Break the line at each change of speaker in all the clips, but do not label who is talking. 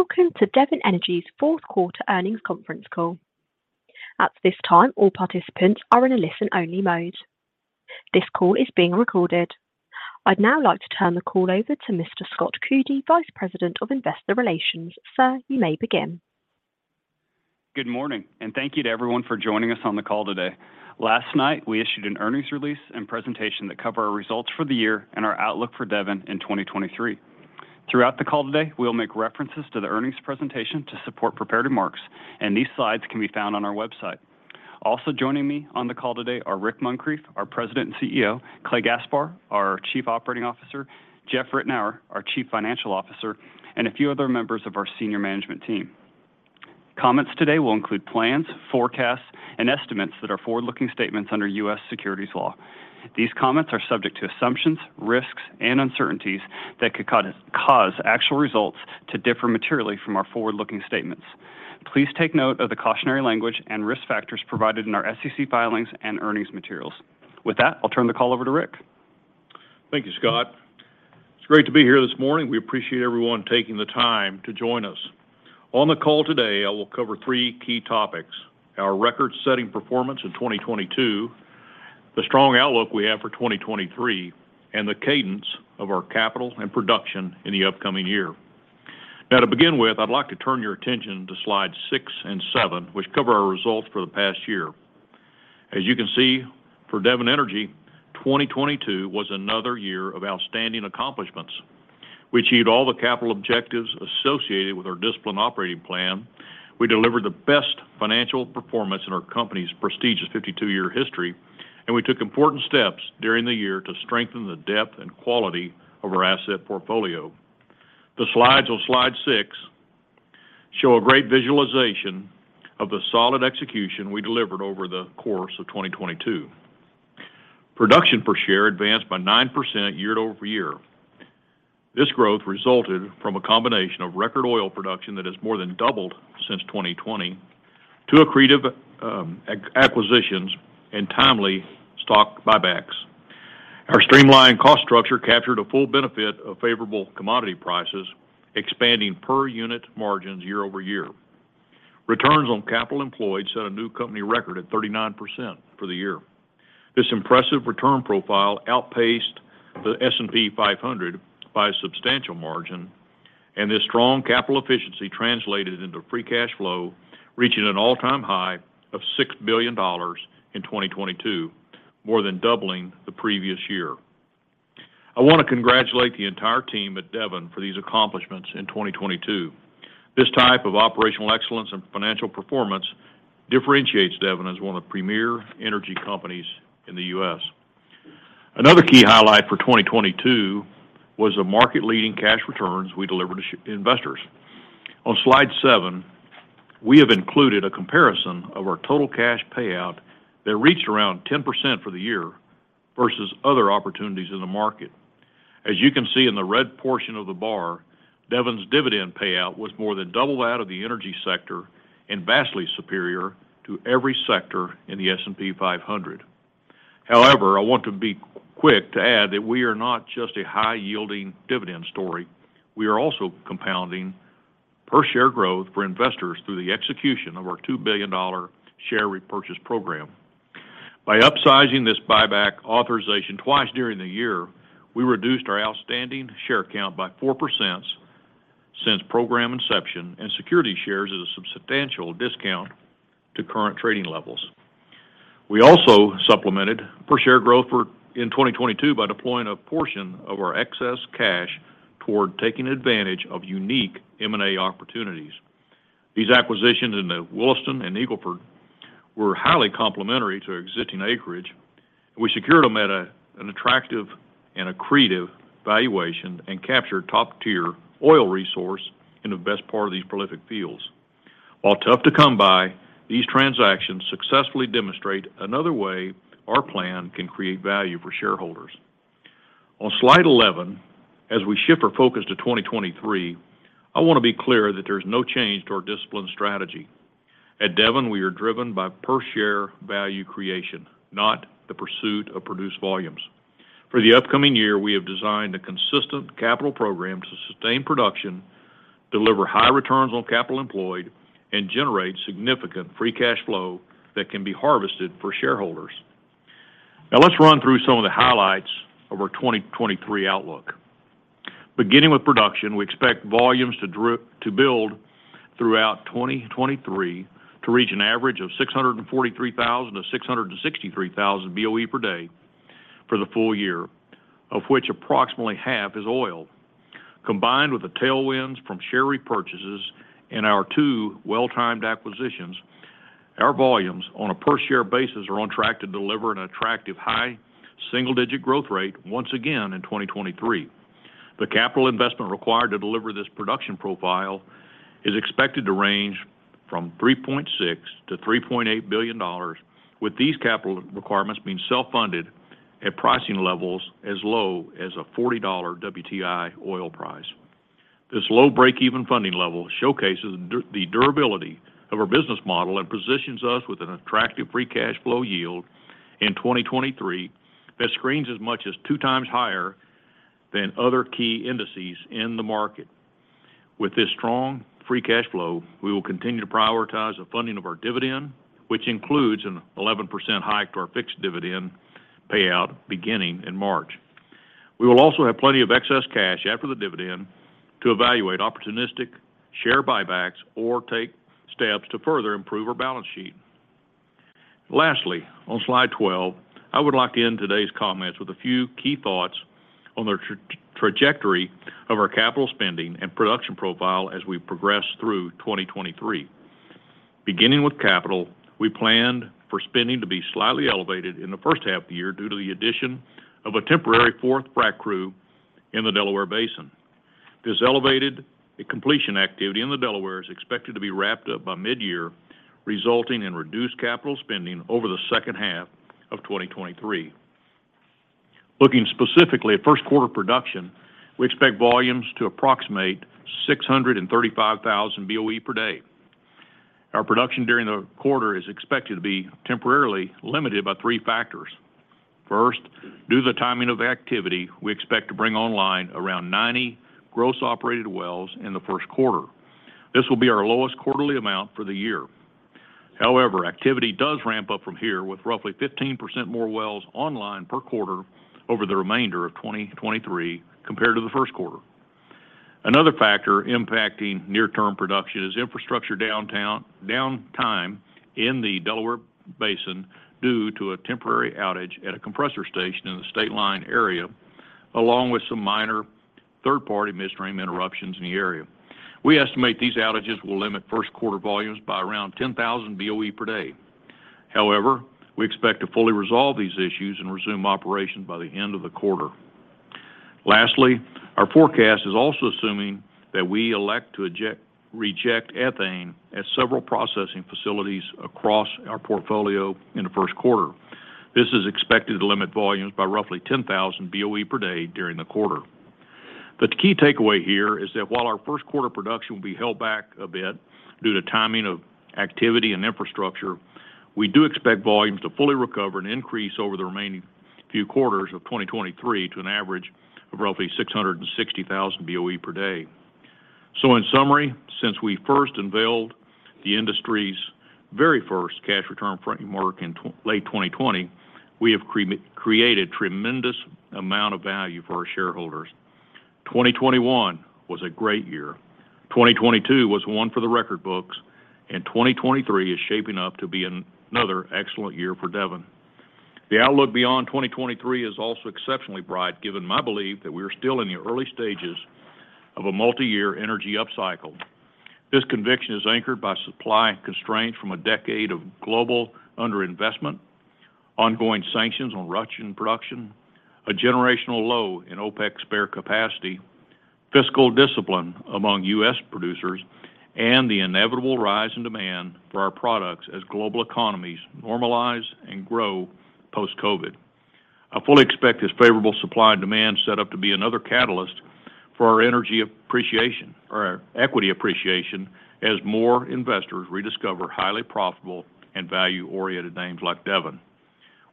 Welcome to Devon Energy's Q4 earnings conference call. At this time, all participants are in a listen-only mode. This call is being recorded. I'd now like to turn the call over to Mr. Scott Coody, Vice President of Investor Relations. Sir, you may begin.
Good morning, and thank you to everyone for joining us on the call today. Last night, we issued an earnings release and presentation that cover our results for the year and our outlook for Devon in 2023. Throughout the call today, we'll make references to the earnings presentation to support prepared remarks. These slides can be found on our website. Also joining me on the call today are Rick Muncrief, our President and CEO, Clay Gaspar, our Chief Operating Officer, Jeff Ritenour, our Chief Financial Officer, and a few other members of our senior management team. Comments today will include plans, forecasts, and estimates that are forward-looking statements under U.S. securities law. These comments are subject to assumptions, risks, and uncertainties that could cause actual results to differ materially from our forward-looking statements. Please take note of the cautionary language and risk factors provided in our SEC filings and earnings materials. With that, I'll turn the call over to Rick.
Thank you, Scott. It's great to be here this morning. We appreciate everyone taking the time to join us. On the call today, I will cover three key topics: our record-setting performance in 2022, the strong outlook we have for 2023, and the cadence of our capital and production in the upcoming year. I'd like to turn your attention to slide six and seven, which cover our results for the past year. As you can see, for Devon Energy, 2022 was another year of outstanding accomplishments. We achieved all the capital objectives associated with our disciplined operating plan. We delivered the best financial performance in our company's prestigious 52-year history, and we took important steps during the year to strengthen the depth and quality of our asset portfolio. The slides on slide six show a great visualization of the solid execution we delivered over the course of 2022. Production per share advanced by 9% year-over-year. This growth resulted from a combination of record oil production that has more than doubled since 2020 to accretive acquisitions and timely stock buybacks. Our streamlined cost structure captured a full benefit of favorable commodity prices, expanding per unit margins year-over-year. Returns on capital employed set a new company record at 39% for the year. This impressive return profile outpaced the S&P 500 by a substantial margin. This strong capital efficiency translated into free cash flow, reaching an all-time high of $6 billion in 2022, more than doubling the previous year. I wanna congratulate the entire team at Devon for these accomplishments in 2022. This type of operational excellence and financial performance differentiates Devon as one of the premier energy companies in the U.S. Another key highlight for 2022 was the market-leading cash returns we delivered to investors. On slide seven, we have included a comparison of our total cash payout that reached around 10% for the year versus other opportunities in the market. As you can see in the red portion of the bar, Devon's dividend payout was more than double that of the energy sector and vastly superior to every sector in the S&P 500. I want to be quick to add that we are not just a high-yielding dividend story. We are also compounding per share growth for investors through the execution of our $2 billion share repurchase program. By upsizing this buyback authorization twice during the year, we reduced our outstanding share count by 4% since program inception and security shares at a substantial discount to current trading levels. We also supplemented per share growth in 2022 by deploying a portion of our excess cash toward taking advantage of unique M&A opportunities. These acquisitions in the Williston and Eagle Ford were highly complementary to existing acreage. We secured them at an attractive and accretive valuation and captured top-tier oil resource in the best part of these prolific fields. While tough to come by, these transactions successfully demonstrate another way our plan can create value for shareholders. On slide 11, as we shift our focus to 2023, I wanna be clear that there's no change to our discipline strategy. At Devon, we are driven by per share value creation, not the pursuit of produced volumes. For the upcoming year, we have designed a consistent capital program to sustain production, deliver high returns on capital employed, and generate significant free cash flow that can be harvested for shareholders. Let's run through some of the highlights of our 2023 outlook. Beginning with production, we expect volumes to build throughout 2023 to reach an average of 643,000-663,000 BOE per day for the full year, of which approximately half is oil. Combined with the tailwinds from share repurchases and our two well-timed acquisitions, our volumes on a per share basis are on track to deliver an attractive high single-digit growth rate once again in 2023. The capital investment required to deliver this production profile is expected to range from $3.6 billion-$3.8 billion, with these capital requirements being self-funded at pricing levels as low as a $40 WTI oil price. This low break-even funding level showcases the durability of our business model and positions us with an attractive free cash flow yield in 2023. That screens as much as 2x higher than other key indices in the market. With this strong free cash flow, we will continue to prioritize the funding of our dividend, which includes an 11% hike to our fixed dividend payout beginning in March. We will also have plenty of excess cash after the dividend to evaluate opportunistic share buybacks or take steps to further improve our balance sheet. Lastly, on slide 12, I would like to end today's comments with a few key thoughts on the trajectory of our capital spending and production profile as we progress through 2023. Beginning with capital, we plan for spending to be slightly elevated in the H1 of the year due to the addition of a temporary fourth frac crew in the Delaware Basin. This elevated completion activity in the Delaware is expected to be wrapped up by mid-year, resulting in reduced capital spending over the H2 of 2023. Looking specifically at Q1 production, we expect volumes to approximate 635,000 BOE per day. Our production during the quarter is expected to be temporarily limited by three factors. First, due to the timing of activity, we expect to bring online around 90 gross operated wells in the Q1. This will be our lowest quarterly amount for the year. Activity does ramp up from here with roughly 15% more wells online per quarter over the remainder of 2023 compared to the Q1. Another factor impacting near term production is infrastructure downtime in the Delaware Basin due to a temporary outage at a compressor station in the state line area, along with some minor third-party midstream interruptions in the area. We estimate these outages will limit Q1 volumes by around 10,000 BOE per day. We expect to fully resolve these issues and resume operations by the end of the quarter. Lastly, our forecast is also assuming that we elect to reject ethane at several processing facilities across our portfolio in the Q1. This is expected to limit volumes by roughly 10,000 BOE per day during the quarter. The key takeaway here is that while our Q1 production will be held back a bit due to timing of activity and infrastructure, we do expect volumes to fully recover and increase over the remaining few quarters of 2023 to an average of roughly 660,000 BOE per day. In summary, since we first unveiled the industry's very first cash return framework in late 2020, we have created tremendous amount of value for our shareholders. 2021 was a great year. 2022 was one for the record books, and 2023 is shaping up to be another excellent year for Devon. The outlook beyond 2023 is also exceptionally bright, given my belief that we are still in the early stages of a multi-year energy upcycle. This conviction is anchored by supply constraint from a decade of global underinvestment, ongoing sanctions on Russian production, a generational low in OPEC spare capacity, fiscal discipline among U.S. producers, and the inevitable rise in demand for our products as global economies normalize and grow post-COVID. I fully expect this favorable supply and demand set up to be another catalyst for our energy appreciation or our equity appreciation as more investors rediscover highly profitable and value-oriented names like Devon.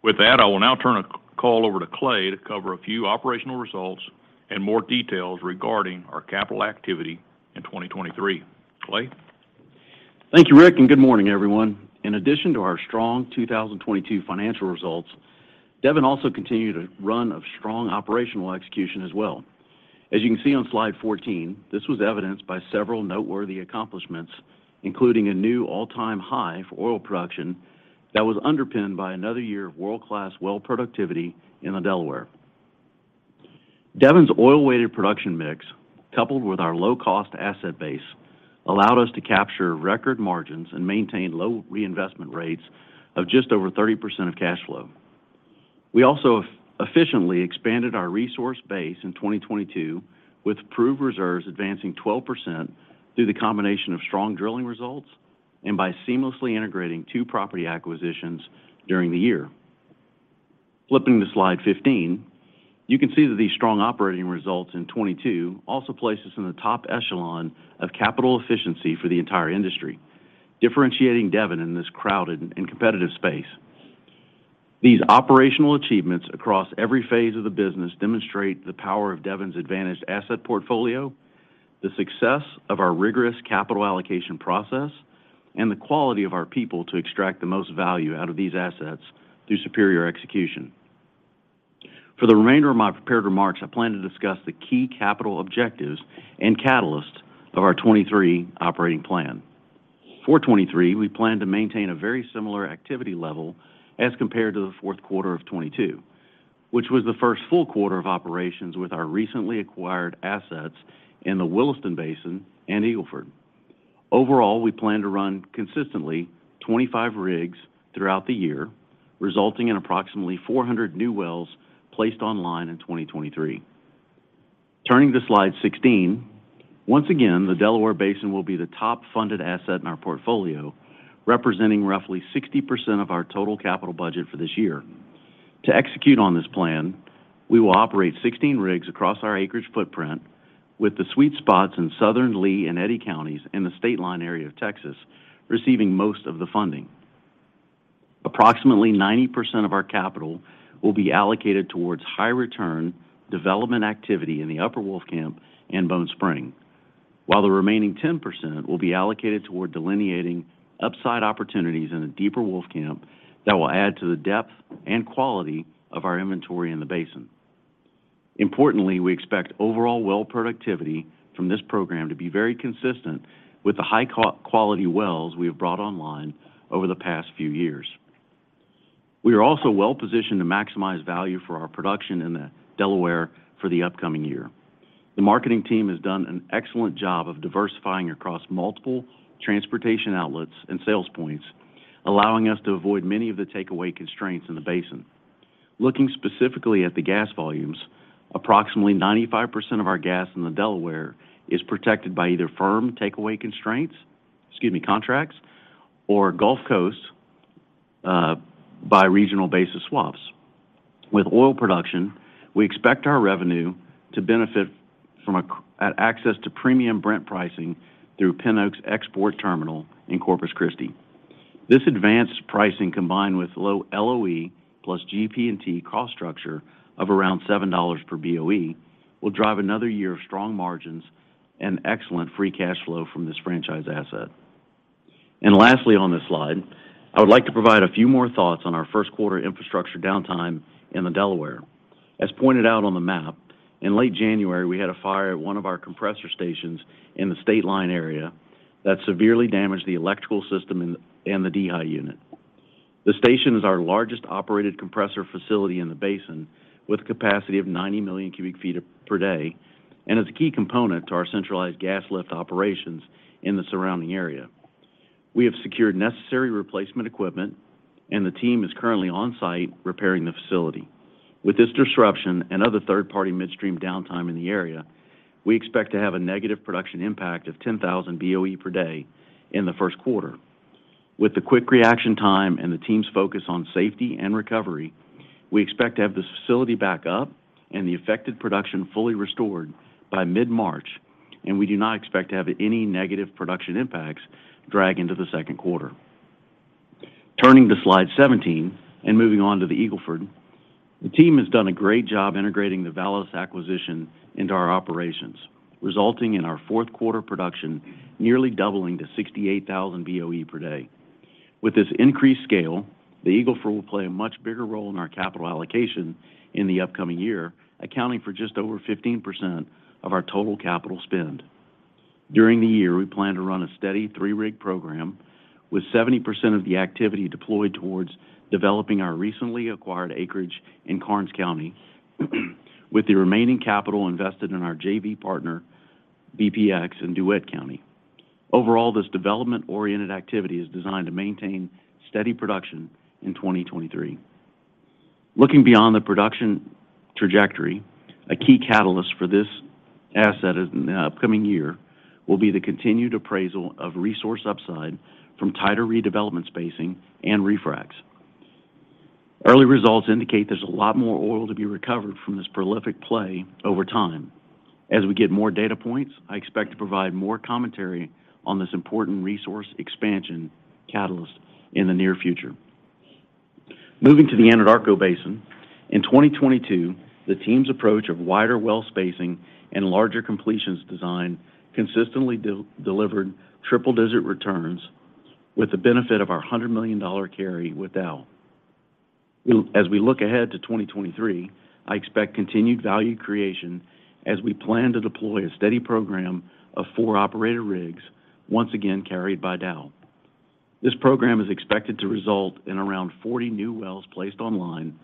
With that, I will now turn the call over to Clay to cover a few operational results and more details regarding our capital activity in 2023. Clay?
Thank you, Rick, and good morning, everyone. In addition to our strong 2022 financial results, Devon also continued a run of strong operational execution as well. As you can see on slide 14, this was evidenced by several noteworthy accomplishments, including a new all-time high for oil production that was underpinned by another year of world-class well productivity in the Delaware. Devon's oil-weighted production mix, coupled with our low-cost asset base, allowed us to capture record margins and maintain low reinvestment rates of just over 30% of cash flow. We also efficiently expanded our resource base in 2022, with proved reserves advancing 12% through the combination of strong drilling results and by seamlessly integrating two property acquisitions during the year. Flipping to slide 15, you can see that these strong operating results in 2022 also place us in the top echelon of capital efficiency for the entire industry, differentiating Devon in this crowded and competitive space. These operational achievements across every phase of the business demonstrate the power of Devon's advantaged asset portfolio, the success of our rigorous capital allocation process, and the quality of our people to extract the most value out of these assets through superior execution. For the remainder of my prepared remarks, I plan to discuss the key capital objectives and catalysts of our 2023 operating plan. For 2023, we plan to maintain a very similar activity level as compared to the Q4 of 2022, which was the first full quarter of operations with our recently acquired assets in the Williston Basin and Eagle Ford. Overall, we plan to run consistently 25 rigs throughout the year, resulting in approximately 400 new wells placed online in 2023. Turning to slide 16, once again, the Delaware Basin will be the top funded asset in our portfolio, representing roughly 60% of our total capital budget for this year. To execute on this plan, we will operate 16 rigs across our acreage footprint. With The sweet spots in southern Lee and Eddy counties in the state line area of Texas receiving most of the funding. Approximately 90% of our capital will be allocated towards high return development activity in the Upper Wolfcamp and Bone Spring, while the remaining 10% will be allocated toward delineating upside opportunities in a deeper Wolfcamp that will add to the depth and quality of our inventory in the basin. Importantly, we expect overall well productivity from this program to be very consistent with the high quality wells we have brought online over the past few years. We are well-positioned to maximize value for our production in the Delaware for the upcoming year. The marketing team has done an excellent job of diversifying across multiple transportation outlets and sales points, allowing us to avoid many of the takeaway constraints in the basin. Looking specifically at the gas volumes, approximately 95% of our gas in the Delaware is protected by either firm takeaway constraints, excuse me, contracts, or Gulf Coast by regional basis swaps. With oil production, we expect our revenue to benefit from access to premium Brent pricing through Pin Oak's export terminal in Corpus Christi. This advanced pricing combined with low LOE plus GP&T cost structure of around $7 per BOE will drive another year of strong margins and excellent free cash flow from this franchise asset. Lastly on this slide, I would like to provide a few more thoughts on our Q1 infrastructure downtime in the Delaware. As pointed out on the map, in late January, we had a fire at one of our compressor stations in the state line area that severely damaged the electrical system and the dehy unit. The station is our largest operated compressor facility in the basin with a capacity of 90 million cubic feet per day, it's a key component to our centralized gas lift operations in the surrounding area. We have secured necessary replacement equipment, the team is currently on-site repairing the facility. With this disruption and other third-party midstream downtime in the area, we expect to have a negative production impact of 10,000 BOE per day in the Q1. With the quick reaction time and the team's focus on safety and recovery, we expect to have this facility back up and the affected production fully restored by mid-March. We do not expect to have any negative production impacts drag into the Q2. Turning to slide 17 and moving on to the Eagle Ford, the team has done a great job integrating the Validus acquisition into our operations, resulting in our Q4 production nearly doubling to 68,000 BOE per day. With this increased scale, the Eagle Ford will play a much bigger role in our capital allocation in the upcoming year, accounting for just over 15% of our total capital spend. During the year, we plan to run a steady three-rig program with 70% of the activity deployed towards developing our recently acquired acreage in Karnes County, with the remaining capital invested in our JV partner, BPX in DeWitt County. This development-oriented activity is designed to maintain steady production in 2023. Looking beyond the production trajectory, a key catalyst for this asset in the upcoming year will be the continued appraisal of resource upside from tighter redevelopment spacing and refracs. Early results indicate there's a lot more oil to be recovered from this prolific play over time. As we get more data points, I expect to provide more commentary on this important resource expansion catalyst in the near future. Moving to the Anadarko Basin, in 2022, the team's approach of wider well spacing and larger completions design consistently delivered triple digit returns with the benefit of our $100 million carry with Dow. As we look ahead to 2023, I expect continued value creation as we plan to deploy a steady program of four operator rigs, once again carried by Dow. This program is expected to result in around 40 new wells placed online,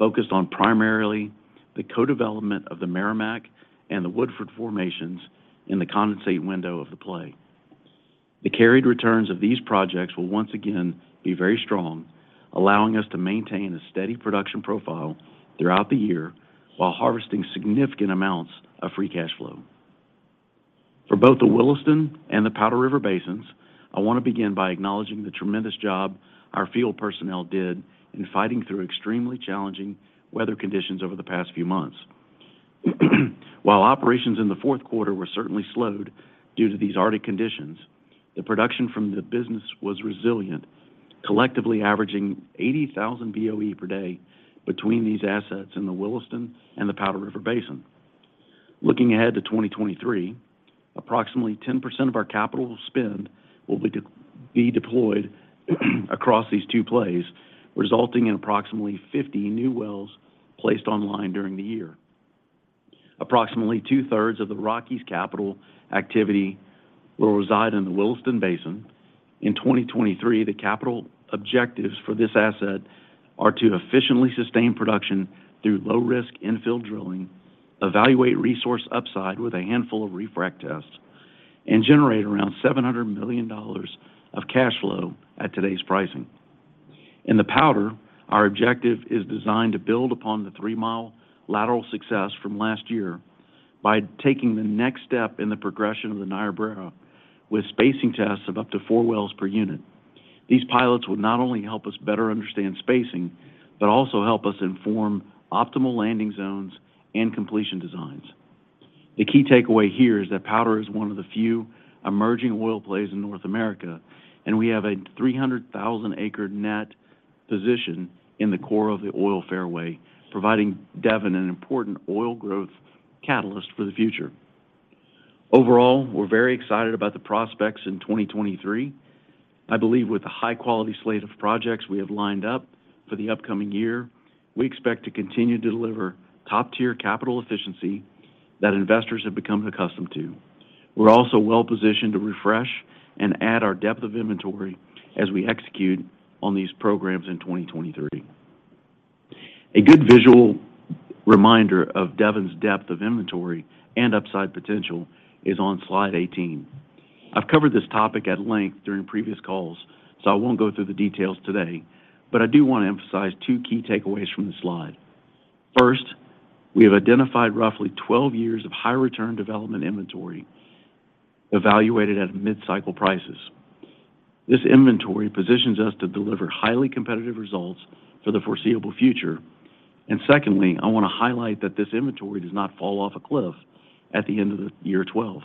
focused on primarily the co-development of the Meramec and the Woodford formations in the condensate window of the play. The carried returns of these projects will once again be very strong, allowing us to maintain a steady production profile throughout the year while harvesting significant amounts of free cash flow. For both the Williston and the Powder River Basin, I want to begin by acknowledging the tremendous job our field personnel did in fighting through extremely challenging weather conditions over the past few months. While operations in the Q4 were certainly slowed due to these arctic conditions, the production from the business was resilient, collectively averaging 80,000 BOE per day between these assets in the Williston and the Powder River Basin. Looking ahead to 2023, approximately 10% of our capital spend will be deployed across these two plays, resulting in approximately 50 new wells placed online during the year. Approximately two-thirds of the Rockies capital activity will reside in the Williston Basin. In 2023, the capital objectives for this asset are to efficiently sustain production through low-risk infill drilling, evaluate resource upside with a handful of refrac tests, and generate around $700 million of cash flow at today's pricing. In the Powder, our objective is designed to build upon the three-mile lateral success from last year by taking the next step in the progression of the Niobrara with spacing tests of up to four wells per unit. These pilots will not only help us better understand spacing, but also help us inform optimal landing zones and completion designs. The key takeaway here is that Powder is one of the few emerging oil plays in North America, and we have a 300,000 acre net position in the core of the oil fairway, providing Devon an important oil growth catalyst for the future. Overall, we're very excited about the prospects in 2023. I believe with the high quality slate of projects we have lined up for the upcoming year, we expect to continue to deliver top-tier capital efficiency that investors have become accustomed to. We're also well-positioned to refresh and add our depth of inventory as we execute on these programs in 2023. A good visual reminder of Devon's depth of inventory and upside potential is on slide 18. I've covered this topic at length during previous calls, so I won't go through the details today, but I do want to emphasize two key takeaways from the slide. First, we have identified roughly 12 years of high return development inventory evaluated at mid-cycle prices. This inventory positions us to deliver highly competitive results for the foreseeable future. Secondly, I want to highlight that this inventory does not fall off a cliff at the end of the year 12.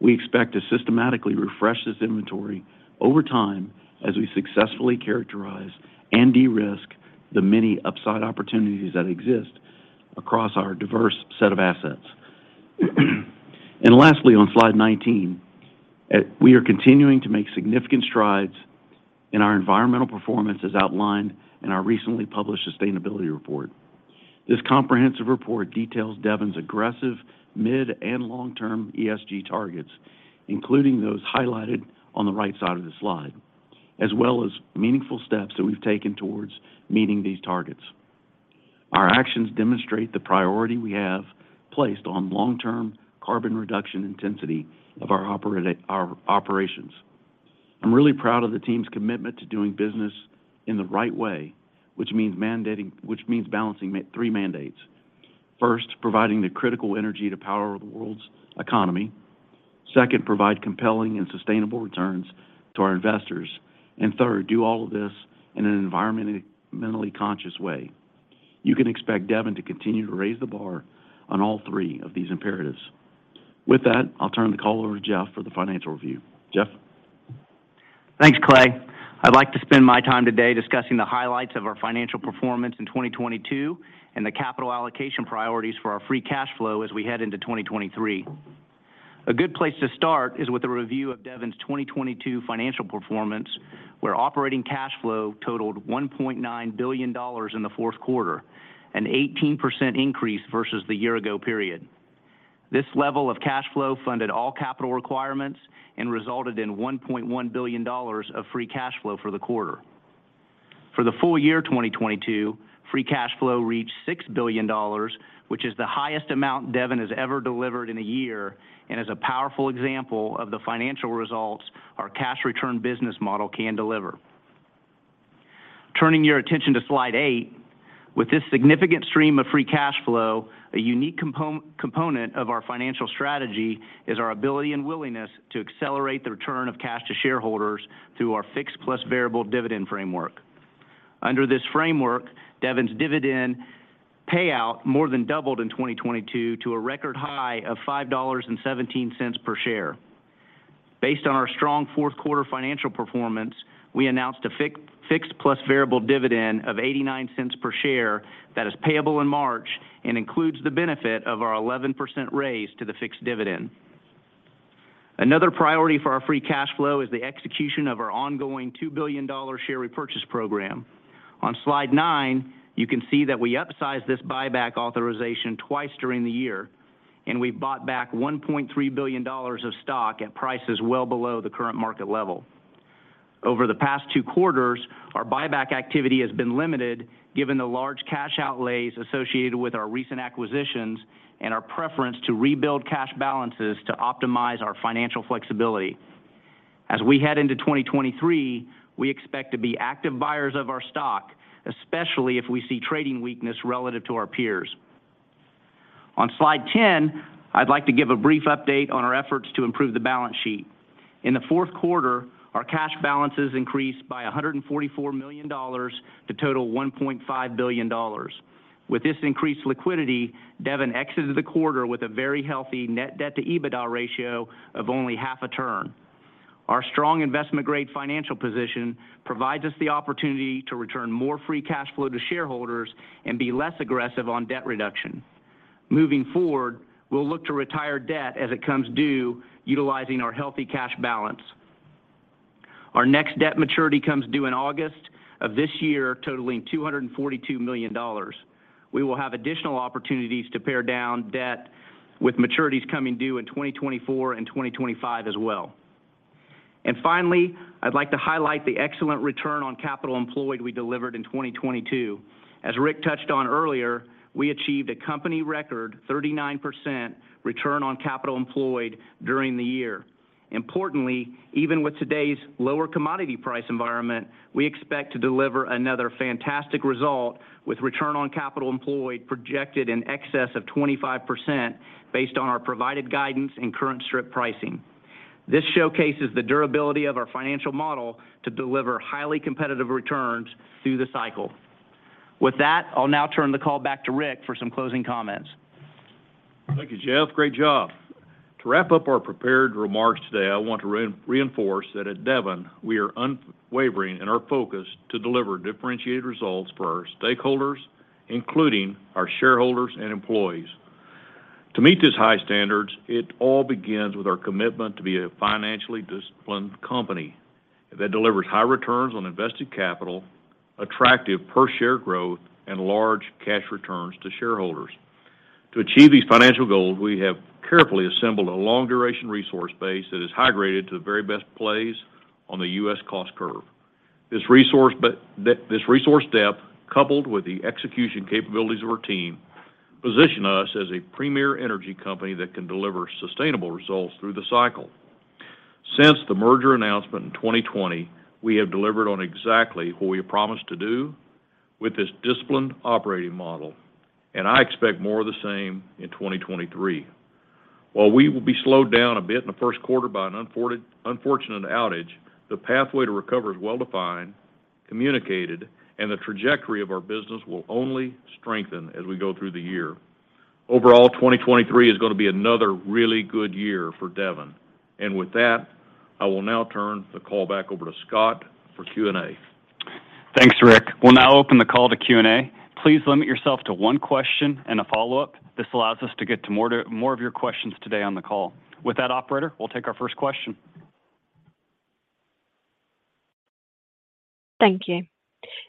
We expect to systematically refresh this inventory over time as we successfully characterize and de-risk the many upside opportunities that exist across our diverse set of assets. Lastly, on slide 19, we are continuing to make significant strides in our environmental performance as outlined in our recently published sustainability report. This comprehensive report details Devon's aggressive mid and long-term ESG targets, including those highlighted on the right side of the slide, as well as meaningful steps that we've taken towards meeting these targets. Our actions demonstrate the priority we have placed on long-term carbon reduction intensity of our operations. I'm really proud of the team's commitment to doing business in the right way, which means balancing three mandates. First, providing the critical energy to power the world's economy. Second, provide compelling and sustainable returns to our investors. Third, do all of this in an environmentally conscious way. You can expect Devon to continue to raise the bar on all three of these imperatives. With that, I'll turn the call over to Jeff for the financial review. Jeff?
Thanks, Clay. I'd like to spend my time today discussing the highlights of our financial performance in 2022 and the capital allocation priorities for our free cash flow as we head into 2023. A good place to start is with a review of Devon's 2022 financial performance, where operating cash flow totaled $1.9 billion in the Q4, an 18% increase versus the year-ago period. This level of cash flow funded all capital requirements and resulted in $1.1 billion of free cash flow for the quarter. For the full year 2022, free cash flow reached $6 billion, which is the highest amount Devon has ever delivered in a year and is a powerful example of the financial results our cash return business model can deliver. Turning your attention to slide eight, with this significant stream of free cash flow, a unique component of our financial strategy is our ability and willingness to accelerate the return of cash to shareholders through our fixed-plus-variable dividend framework. Under this framework, Devon's dividend payout more than doubled in 2022 to a record high of $5.17 per share. Based on our strong Q4 financial performance, we announced a fixed-plus-variable dividend of $0.89 per share that is payable in March and includes the benefit of our 11% raise to the fixed dividend. Another priority for our free cash flow is the execution of our ongoing $2 billion share repurchase program. On slide nine you can see that we upsized this buyback authorization twice during the year, and we bought back $1.3 billion of stock at prices well below the current market level. Over the past two quarters, our buyback activity has been limited given the large cash outlays associated with our recent acquisitions and our preference to rebuild cash balances to optimize our financial flexibility. As we head into 2023, we expect to be active buyers of our stock, especially if we see trading weakness relative to our peers. On slide 10, I'd like to give a brief update on our efforts to improve the balance sheet. In the Q4, our cash balances increased by $144 million to total $1.5 billion. With this increased liquidity, Devon exited the quarter with a very healthy net debt to EBITDA ratio of only half a tone. Our strong investment-grade financial position provides us the opportunity to return more free cash flow to shareholders and be less aggressive on debt reduction. Moving forward, we'll look to retire debt as it comes due, utilizing our healthy cash balance. Our next debt maturity comes due in August of this year, totaling $242 million. We will have additional opportunities to pare down debt with maturities coming due in 2024 and 2025 as well. Finally, I'd like to highlight the excellent return on capital employed we delivered in 2022. As Rick touched on earlier, we achieved a company record 39% return on capital employed during the year. Importantly, even with today's lower commodity price environment, we expect to deliver another fantastic result with return on capital employed projected in excess of 25% based on our provided guidance and current strip pricing. This showcases the durability of our financial model to deliver highly competitive returns through the cycle. I'll now turn the call back to Rick for some closing comments.
Thank you, Jeff. Great job. To wrap up our prepared remarks today, I want to reinforce that at Devon, we are unwavering in our focus to deliver differentiated results for our stakeholders, including our shareholders and employees. To meet these high standards, it all begins with our commitment to be a financially disciplined company that delivers high returns on invested capital, attractive per share growth, and large cash returns to shareholders. To achieve these financial goals, we have carefully assembled a long duration resource base that is high-graded to the very best plays on the U.S. cost curve. This resource depth, coupled with the execution capabilities of our team, position us as a premier energy company that can deliver sustainable results through the cycle. Since the merger announcement in 2020, we have delivered on exactly what we promised to do with this disciplined operating model, and I expect more of the same in 2023. While we will be slowed down a bit in the Q1 by an unfortunate outage, the pathway to recover is well-defined, communicated, and the trajectory of our business will only strengthen as we go through the year. Overall, 2023 is gonna be another really good year for Devon. With that, I will now turn the call back over to Scott for Q&A.
Thanks, Rick. We'll now open the call to Q&A. Please limit yourself to one question and a follow-up. This allows us to get to more of your questions today on the call. With that, operator, we'll take our first question.
Thank you.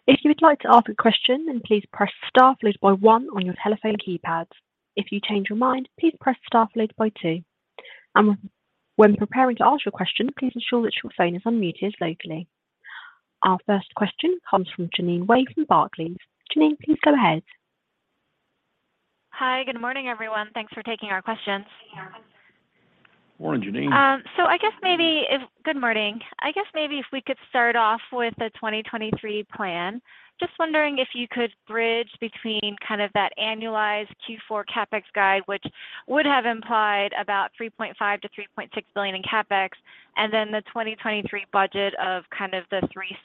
If you would like to ask a question, please press star followed by one on your telephone keypads. If you change your mind, please press star followed by two. When preparing to ask your question, please ensure that your phone is unmuted locally. Our first question comes from Jeanine Wai from Barclays. Jeanine, please go ahead.
Hi. Good morning, everyone. Thanks for taking our questions.
Morning, Jeanine.
I guess maybe. Good morning. I guess maybe if we could start off with the 2023 plan. Just wondering if you could bridge between kind of that annualized Q4 CapEx guide, which would have implied about $3.5 billion-$3.6 billion in CapEx, and then the 2023 budget of kind of the $3.6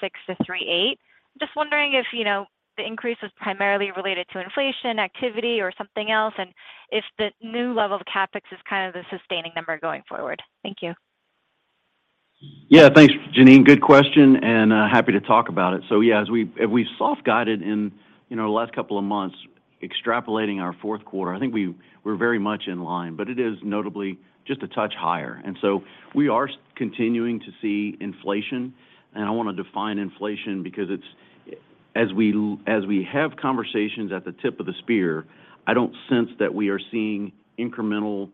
billion-$3.8 billion. Just wondering if, you know, the increase was primarily related to inflation activity or something else, and if the new level of CapEx is kind of the sustaining number going forward. Thank you.
Thanks, Jeanine. Good question, happy to talk about it. As we soft guided in, you know, the last couple of months extrapolating our Q4, I think we're very much in line. It is notably just a touch higher. We are continuing to see inflation, and I wanna define inflation because it's as we have conversations at the tip of the spear, I don't sense that we are seeing incremental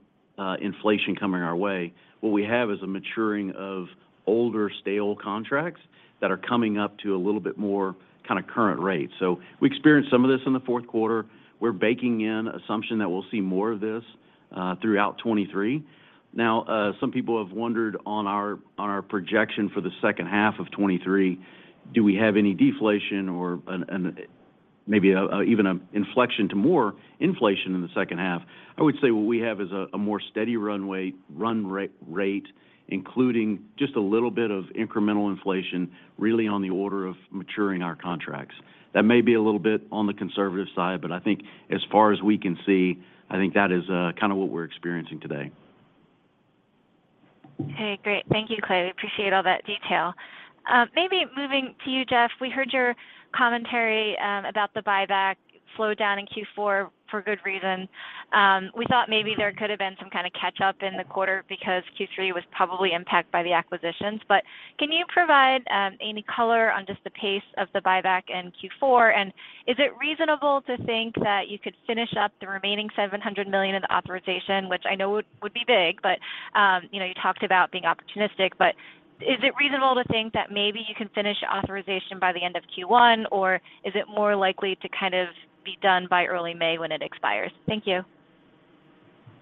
inflation coming our way. What we have is a maturing of older stale contracts that are coming up to a little bit more kind of current rate. We experienced some of this in the Q4. We're baking in assumption that we'll see more of this throughout 2023. Some people have wondered on our projection for the H2 of 2023, do we have any deflation or an, maybe, even a inflection to more inflation in the H2? I would say what we have is a more steady runway, run rate, including just a little bit of incremental inflation really on the order of maturing our contracts. That may be a little bit on the conservative side, but I think as far as we can see, I think that is kind of what we're experiencing today.
Okay. Great. Thank you, Clay. Appreciate all that detail. Maybe moving to you, Jeff, we heard your commentary about the buyback slow down in Q4 for good reason. We thought maybe there could have been some kind of catch up in the quarter because Q3 was probably impacted by the acquisitions. Can you provide any color on just the pace of the buyback in Q4? Is it reasonable to think that you could finish up the remaining $700 million in the authorization? Which I know would be big, but, you know, you talked about being opportunistic. Is it reasonable to think that maybe you can finish authorization by the end of Q1, or is it more likely to kind of be done by early May when it expires? Thank you.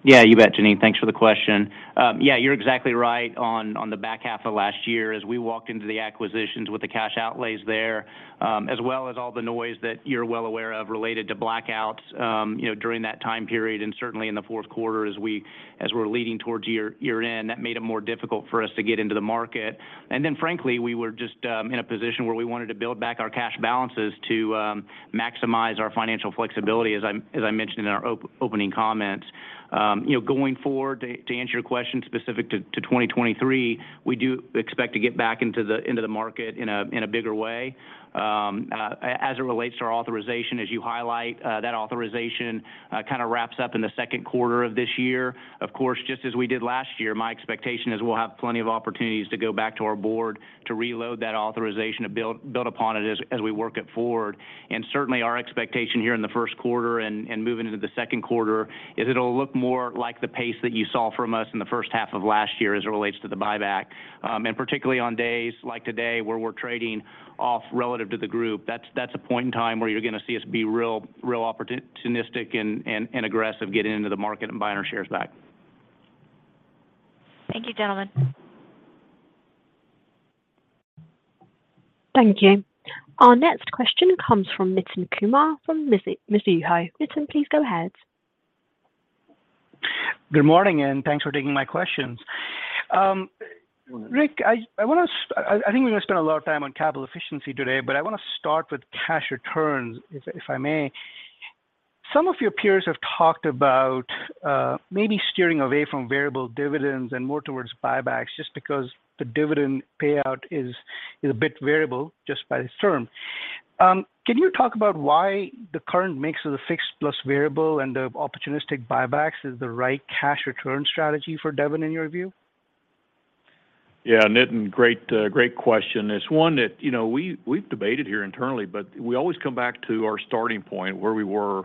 Yeah, you bet, Jeanine. Thanks for the question. Yeah, you're exactly right on the back half of last year as we walked into the acquisitions with the cash outlays there, as well as all the noise that you're well aware of related to blackouts, you know, during that time period and certainly in the Q4 as we're leading towards year-end, that made it more difficult for us to get into the market. Frankly, we were just, in a position where we wanted to build back our cash balances to maximize our financial flexibility, as I mentioned in our opening comments. You know, going forward, to answer your question specific to 2023, we do expect to get back into the market in a bigger way. As it relates to our authorization, as you highlight, that authorization kinda wraps up in the Q2 of this year. Of course, just as we did last year, my expectation is we'll have plenty of opportunities to go back to our board to reload that authorization to build upon it as we work it forward. Certainly our expectation here in the Q1 and moving into the Q2 is it'll look more like the pace that you saw from us in the H1 of last year as it relates to the buyback. Particularly on days like today where we're trading off relative to the group, that's a point in time where you're gonna see us be real opportunistic and aggressive getting into the market and buying our shares back.
Thank you, gentlemen.
Thank you. Our next question comes from Nitin Kumar from Mizuho. Nitin, please go ahead.
Good morning, thanks for taking my questions. Rick, I think we're gonna spend a lot of time on capital efficiency today, but I wanna start with cash returns if I may. Some of your peers have talked about maybe steering away from variable dividends and more towards buybacks just because the dividend payout is a bit variable just by this term. Can you talk about why the current mix of the fixed-plus-variable and the opportunistic buybacks is the right cash return strategy for Devon in your view?
Yeah, Nitin, great question. It's one that, you know, we've debated here internally, but we always come back to our starting point where we were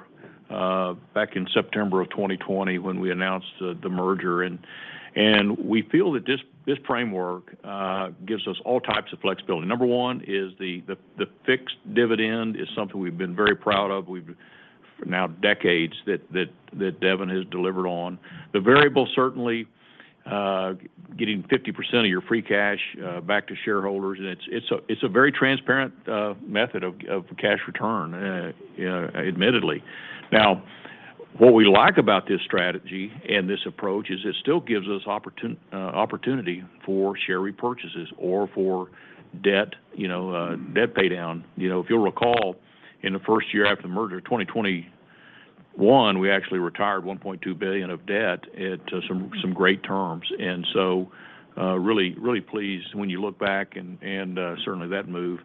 back in September of 2020 when we announced the merger. We feel that this framework gives us all types of flexibility. Number one is the fixed dividend is something we've been very proud of. for now decades that Devon has delivered on. The variable certainly getting 50% of your free cash back to shareholders, and it's a very transparent method of cash return, you know, admittedly. Now, what we like about this strategy and this approach is it still gives us opportunity for share repurchases or for debt, you know, debt pay down. You know, if you'll recall, in the first year after the merger, 2021, we actually retired $1.2 billion of debt at some great terms. Really pleased when you look back and certainly that moved.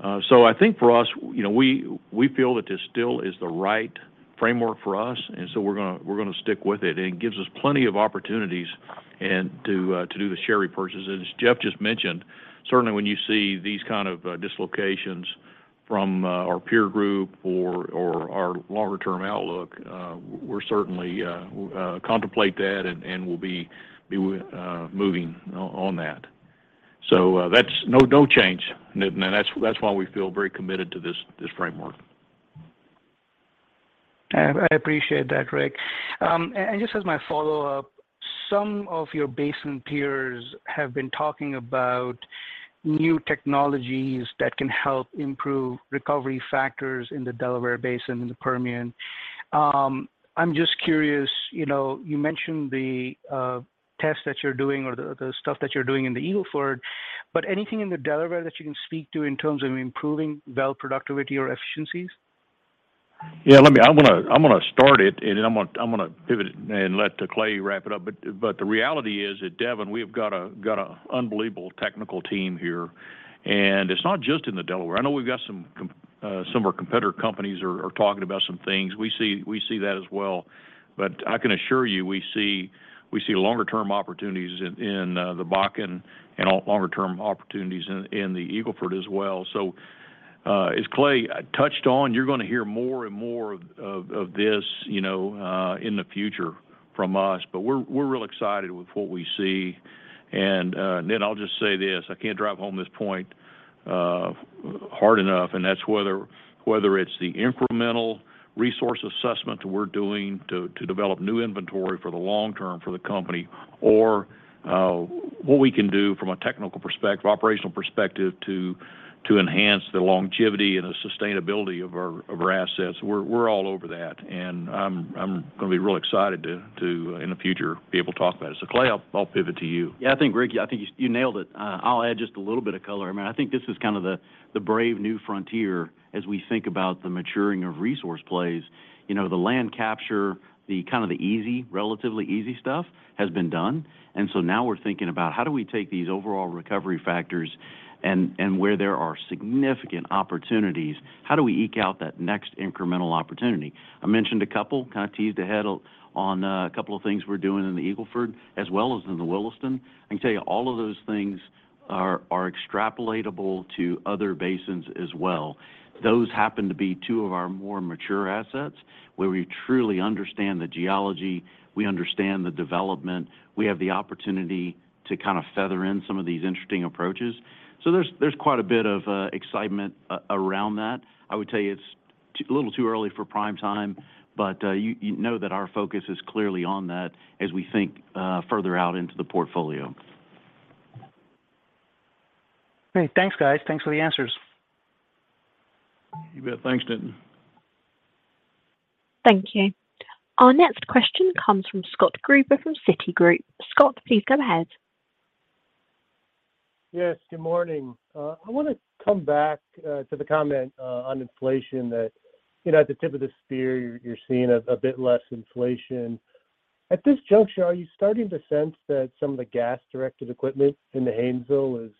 I think for us, you know, we feel that this still is the right framework for us, and so we're gonna stick with it. It gives us plenty of opportunities to do the share repurchases. As Jeff just mentioned, certainly when you see these kind of dislocations from our peer group or our longer term outlook, we're certainly contemplate that and we'll be moving on that. That's no change, Nitin. That's why we feel very committed to this framework.
I appreciate that, Rick. Just as my follow-up, some of your basin peers have been talking about new technologies that can help improve recovery factors in the Delaware Basin and the Permian. I'm just curious, you know, you mentioned the tests that you're doing or the stuff that you're doing in the Eagle Ford, but anything in the Delaware that you can speak to in terms of improving well productivity or efficiencies?
Yeah, I'm gonna start it, and then I'm gonna pivot it and let Clay wrap it up. The reality is at Devon, we have got a unbelievable technical team here, and it's not just in the Delaware. I know we've got some some of our competitor companies are talking about some things. We see that as well. I can assure you, we see longer term opportunities in the Bakken and all longer term opportunities in the Eagle Ford as well. As Clay touched on, you're gonna hear more and more of this, you know, in the future from us. We're real excited with what we see. Nitin, I'll just say this. I can't drive home this point hard enough, and that's whether it's the incremental resource assessment we're doing to develop new inventory for the long term for the company or, what we can do from a technical perspective, operational perspective to enhance the longevity and the sustainability of our, of our assets. We're, we're all over that, and I'm gonna be real excited to, in the future, be able to talk about it. Clay, I'll pivot to you.
Yeah, I think, Rick, I think you nailed it. I'll add just a little bit of color. I mean, I think this is kind of the brave new frontier as we think about the maturing of resource plays. You know, the land capture, the kind of the easy, relatively easy stuff has been done. Now we're thinking about how do we take these overall recovery factors and where there are significant opportunities, how do we eke out that next incremental opportunity? I mentioned a couple, kind of teased ahead on a couple of things we're doing in the Eagle Ford as well as in the Williston. I can tell you all of those things are extrapolatable to other basins as well. Those happen to be two of our more mature assets, where we truly understand the geology. We understand the development. We have the opportunity to kind of feather in some of these interesting approaches. There's quite a bit of excitement around that. I would tell you it's a little too early for prime time, but you know that our focus is clearly on that as we think further out into the portfolio.
Great. Thanks, guys. Thanks for the answers.
You bet. Thanks, Nitin.
Thank you. Our next question comes from Scott Gruber from Citigroup. Scott, please go ahead.
Good morning. I wanna come back to the comment on inflation that, you know, at the tip of the spear you're seeing a bit less inflation. At this juncture, are you starting to sense that some of the gas-directed equipment in the Haynesville is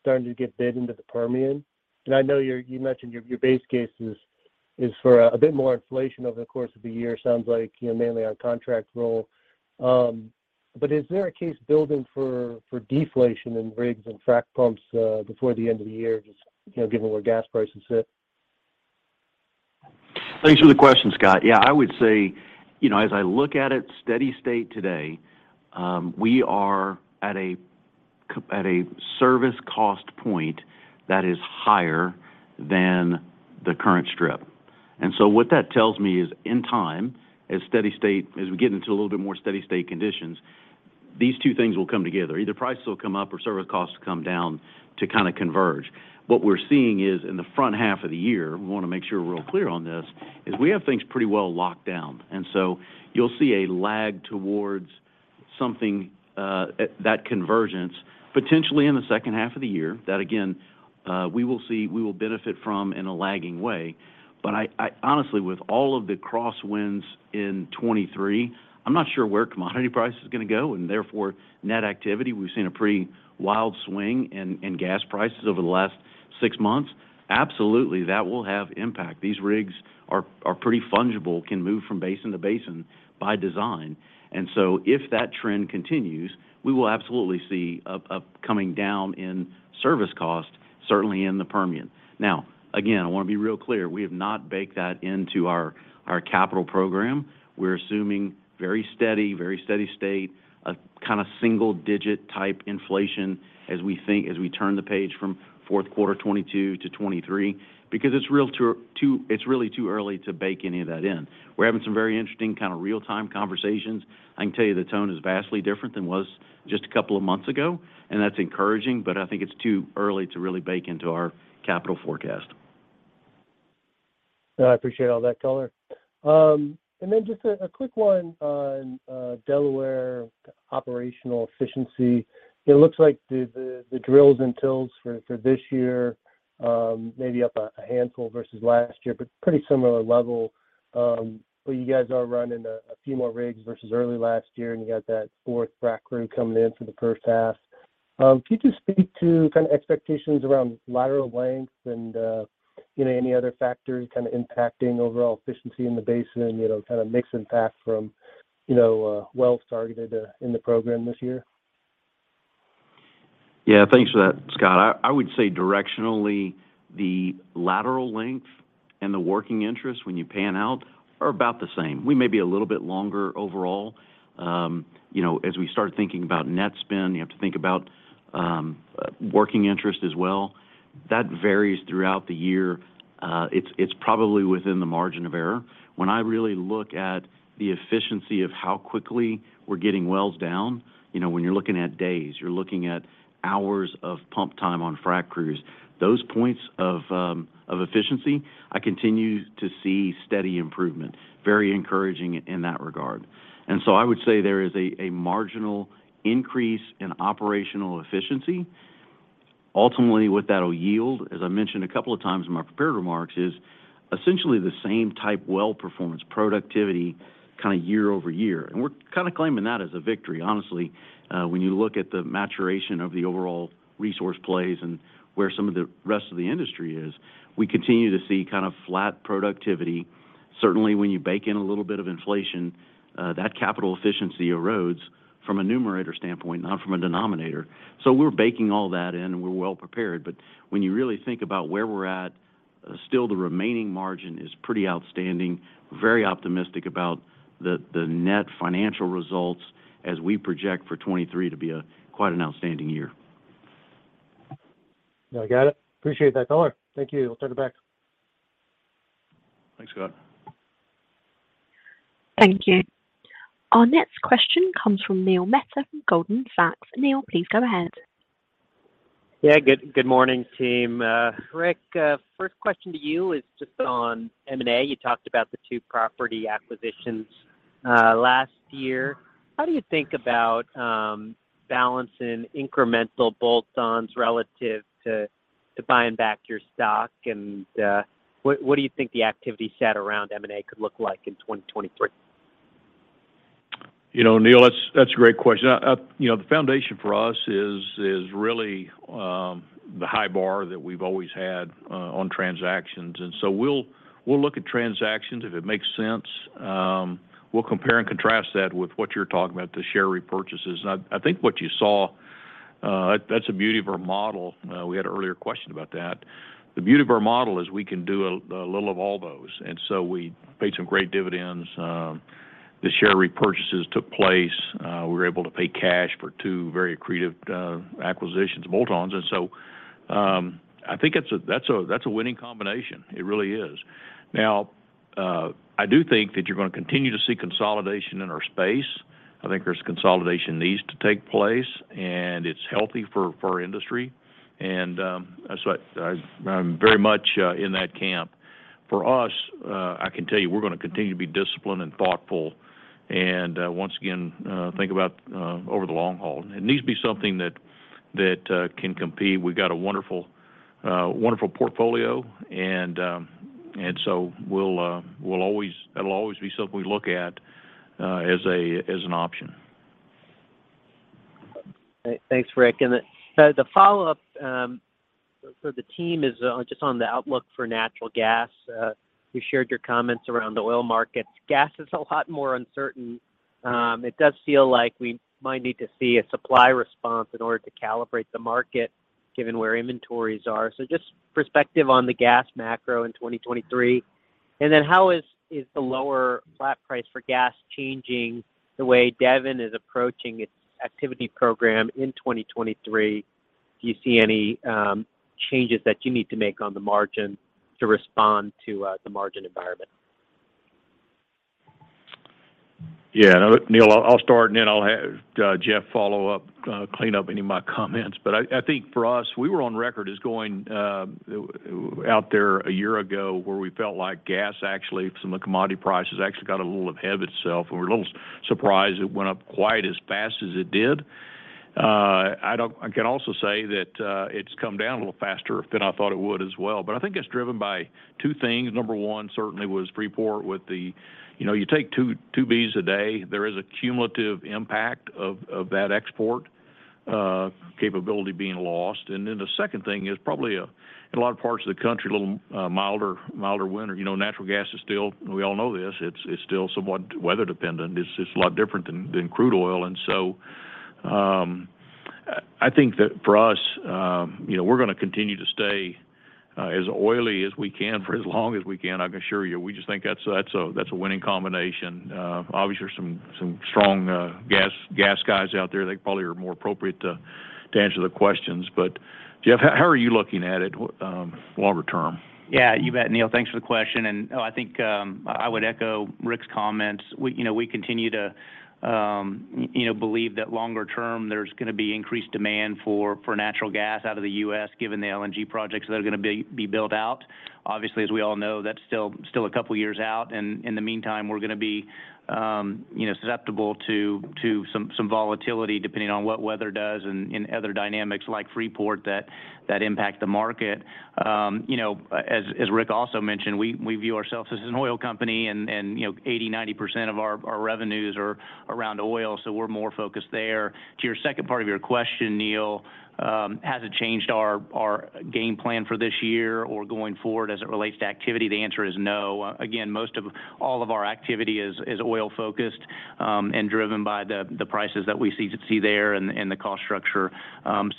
starting to get bid into the Permian? I know you mentioned your base case is for a bit more inflation over the course of the year. Sounds like, you know, mainly on contract roll. Is there a case building for deflation in rigs and frack pumps before the end of the year, just, you know, given where gas prices sit?
Thanks for the question, Scott. Yeah, I would say, you know, as I look at it, steady state today, we are at a service cost point that is higher than the current strip. What that tells me is in time, as we get into a little bit more steady state conditions. These two things will come together. Either prices will come up or service costs come down to kinda converge. What we're seeing is in the front half of the year, we wanna make sure we're real clear on this, is we have things pretty well locked down. You'll see a lag towards something at that convergence potentially in the H2 of the year. That again, we will see, we will benefit from in a lagging way. I honestly, with all of the crosswinds in 2023, I'm not sure where commodity price is gonna go, and therefore net activity. We've seen a pretty wild swing in gas prices over the last six months. Absolutely, that will have impact. These rigs are pretty fungible, can move from basin to basin by design. If that trend continues, we will absolutely see a coming down in service cost, certainly in the Permian. Again, I wanna be real clear. We have not baked that into our capital program. We're assuming very steady state, a kinda single-digit type inflation as we turn the page from Q4 2022 to 2023. It's really too early to bake any of that in. We're having some very interesting kinda real-time conversations. I can tell you the tone is vastly different than it was just a couple of months ago, and that's encouraging, but I think it's too early to really bake into our capital forecast.
No, I appreciate all that color. Just a quick one on Delaware operational efficiency. It looks like the drills and tills for this year may be up a handful versus last year, but pretty similar level. You guys are running a few more rigs versus early last year, and you got that fourth frack crew coming in for the H1. Could you just speak to kind of expectations around lateral length and, you know, any other factors kind of impacting overall efficiency in the basin and, you know, kind of mix impact from, you know, wells targeted in the program this year?
Yeah. Thanks for that, Scott. I would say directionally, the lateral length and the working interest when you pan out are about the same. We may be a little bit longer overall. you know, as we start thinking about net spin, you have to think about working interest as well. That varies throughout the year. it's probably within the margin of error. When I really look at the efficiency of how quickly we're getting wells down, you know, when you're looking at days, you're looking at hours of pump time on frack crews, those points of efficiency, I continue to see steady improvement. Very encouraging in that regard. I would say there is a marginal increase in operational efficiency. Ultimately, what that'll yield, as I mentioned a couple of times in my prepared remarks, is essentially the same type well performance productivity kinda year-over-year. We're kinda claiming that as a victory, honestly. When you look at the maturation of the overall resource plays and where some of the rest of the industry is, we continue to see kind of flat productivity. Certainly, when you bake in a little bit of inflation, that capital efficiency erodes from a numerator standpoint, not from a denominator. We're baking all that in, and we're well prepared. When you really think about where we're at, still the remaining margin is pretty outstanding. Very optimistic about the net financial results as we project for 2023 to be a quite an outstanding year.
Yeah, I got it. Appreciate that color. Thank you. I'll turn it back.
Thanks, Scott.
Thank you. Our next question comes from Neil Mehta from Goldman Sachs. Neil, please go ahead.
Yeah. Good, good morning, team. Rick, first question to you is just on M&A. You talked about the two property acquisitions last year. How do you think about balancing incremental bolt-ons relative to buying back your stock? What do you think the activity set around M&A could look like in 2023?
You know, Neil, that's a great question. You know, the foundation for us is really the high bar that we've always had on transactions. We'll look at transactions if it makes sense. We'll compare and contrast that with what you're talking about, the share repurchases. I think what you saw, that's the beauty of our model. We had an earlier question about that. The beauty of our model is we can do a little of all those. We paid some great dividends. The share repurchases took place. We were able to pay cash for two very accretive acquisitions, bolt-ons. I think that's a winning combination. It really is. Now I do think that you're gonna continue to see consolidation in our space. I think there's consolidation needs to take place, and it's healthy for our industry. I'm very much in that camp. For us, I can tell you we're gonna continue to be disciplined and thoughtful and once again think about over the long haul. It needs to be something that can compete. We've got a wonderful portfolio, and it'll always be something we look at as a, as an option.
Okay. Thanks, Rick. The follow-up for the team is just on the outlook for natural gas. You shared your comments around the oil markets. Gas is a lot more uncertain. It does feel like we might need to see a supply response in order to calibrate the market given where inventories are. Just perspective on the gas macro in 2023. How is the lower flat price for gas changing the way Devon is approaching its activity program in 2023? Do you see any changes that you need to make on the margin to respond to the margin environment?
Yeah. Neal, I'll start. I'll have Jeff follow up, clean up any of my comments. I think for us, we were on record as going out there a year ago where we felt like gas actually from the commodity prices actually got a little ahead of itself. We were a little surprised it went up quite as fast as it did. I can also say that it's come down a little faster than I thought it would as well. I think it's driven by two things. Number one certainly was Freeport with the, you know, you take 2 Bs a day, there is a cumulative impact of that export capability being lost. The second thing is probably in a lot of parts of the country, a little milder winter. You know, natural gas is still, we all know this, it's still somewhat weather dependent. It's a lot different than crude oil. I think that for us, you know, we're gonna continue to stay as oily as we can for as long as we can. I can assure you, we just think that's a winning combination. Obviously, there's some strong gas guys out there. They probably are more appropriate to answer the questions. Jeff, how are you looking at it longer term?
Yeah, you bet. Neil, thanks for the question. I think, I would echo Rick's comments. We, you know, we continue to, you know, believe that longer term, there's gonna be increased demand for natural gas out of the U.S., given the LNG projects that are gonna be built out. Obviously, as we all know, that's still two years out. In the meantime, we're gonna be, you know, susceptible to some volatility depending on what weather does and other dynamics like Freeport that impact the market. you know, as Rick also mentioned, we view ourselves as an oil company and, you know, 80%, 90% of our revenues are around oil, so we're more focused there. To your second part of your question, Neil, has it changed our game plan for this year or going forward as it relates to activity? The answer is no. Again, most of all of our activity is oil-focused, and driven by the prices that we see there and the cost structure.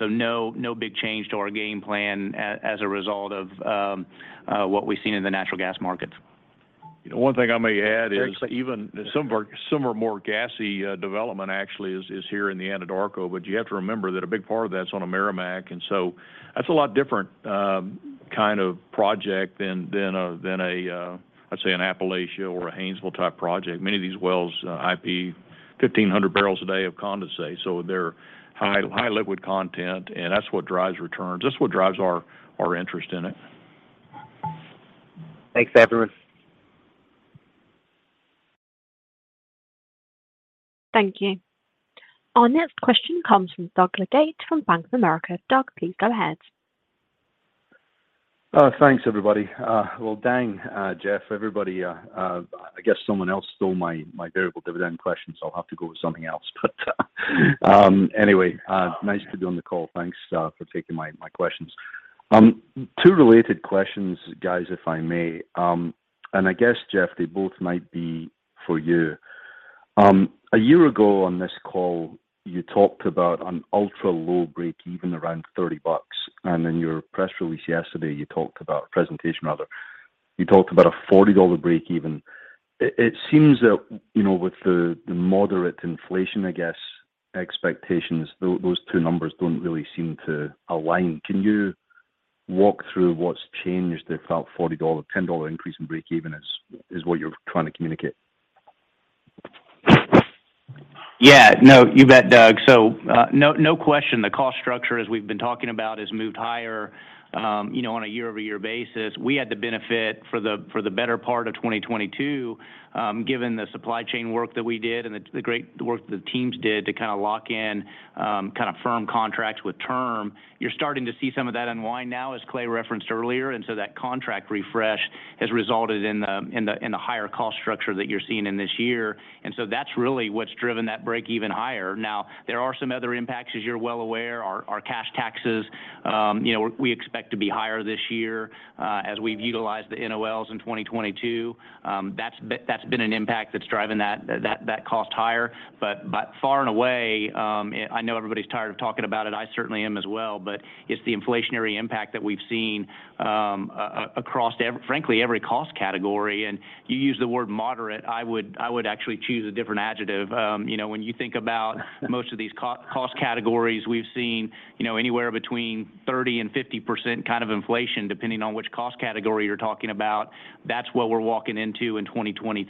No big change to our game plan as a result of what we've seen in the natural gas markets.
One thing I may add is.
Thanks.
Even some of our more gassy development actually is here in the Anadarko. You have to remember that a big part of that's on a Meramec, and that's a lot different kind of project than a I'd say an Appalachia or a Haynesville type project. Many of these wells IP 1,500 barrels a day of condensate, they're high liquid content, and that's what drives returns. That's what drives our interest in it.
Thanks, everyone.
Thank you. Our next question comes from Doug Leggate from Bank of America. Doug, please go ahead.
Thanks, everybody. Well, dang, Jeff, everybody, I guess someone else stole my variable dividend question. I'll have to go with something else. Anyway, nice to be on the call. Thanks for taking my questions. Two related questions, guys, if I may. I guess, Jeff, they both might be for you. A year ago on this call, you talked about an ultra-low breakeven around $30. In your press release yesterday, presentation rather, you talked about a $40 breakeven. It seems that, you know, with the moderate inflation, I guess, expectations, those two numbers don't really seem to align. Can you walk through what's changed, the felt $40, $10 increase in breakeven is what you're trying to communicate?
Yeah. No, you bet, Doug. No question, the cost structure, as we've been talking about, has moved higher, you know, on a year-over-year basis. We had the benefit for the better part of 2022, given the supply chain work that we did and the great work the teams did to kinda lock in firm contracts with term. You're starting to see some of that unwind now, as Clay referenced earlier. That contract refresh has resulted in the higher cost structure that you're seeing in this year. That's really what's driven that breakeven higher. Now, there are some other impacts, as you're well aware. Our cash taxes, you know, we expect to be higher this year, as we've utilized the NOLs in 2022. That's been an impact that's driving that cost higher. Far and away, I know everybody's tired of talking about it, I certainly am as well, but it's the inflationary impact that we've seen across every, frankly, every cost category. You use the word moderate, I would actually choose a different adjective. You know, when you think about most of these cost categories, we've seen, you know, anywhere between 30% and 50% kind of inflation, depending on which cost category you're talking about. That's what we're walking into in 2023.